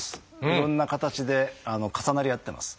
いろんな形で重なり合ってます。